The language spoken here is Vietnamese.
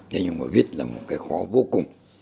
thế nhưng mà viết là một cái khó vô cùng